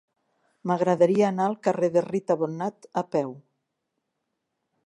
M'agradaria anar al carrer de Rita Bonnat a peu.